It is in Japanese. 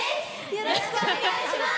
よろしくお願いします。